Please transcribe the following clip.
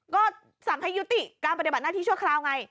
ก็สั่งให้ยุติการปฏิบัติหน้าที่ชั่วคราวไง